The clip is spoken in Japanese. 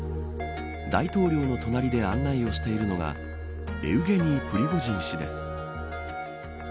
大統領の隣で案内をしているのがエウゲニー・プリゴジン氏です。